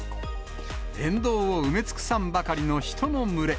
沿道を埋め尽くさんばかりの人の群れ。